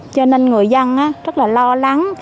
cho nên người dân rất là lo lắng